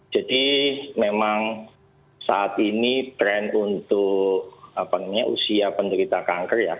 jadi memang saat ini tren untuk usia penderita kanker ya